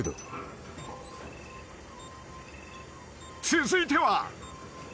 ［続いては］